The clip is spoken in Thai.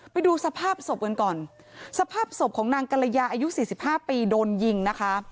ไปดูสภาพศพกันก่อนสภาพศพของนางกะระยาอายุ๔๕ปีโดนยิงนะคะ